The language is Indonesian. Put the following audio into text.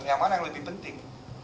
yang mana yang lebih penting